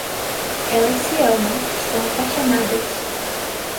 Elas se amam. Estão apaixonadas.